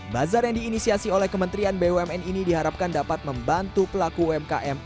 bazar yang diinisiasi oleh kementerian bumn ini diharapkan dapat membantu pelaku umkm